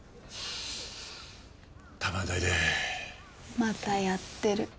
またやってる。